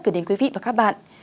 gửi đến quý vị và các bạn